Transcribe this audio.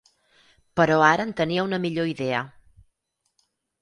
Però ara en tenia una millor idea.